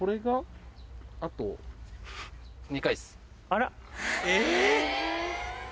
あら。